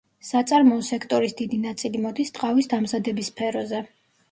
საწარმოო სექტორის დიდი ნაწილი მოდის ტყავის დამზადების სფეროზე.